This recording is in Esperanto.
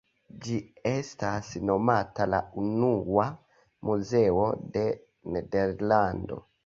Ĝi estas nomata la unua muzeo de Nederlando.